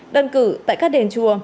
đơn cử tại các đền chùa